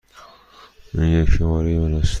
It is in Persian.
این شماره من است.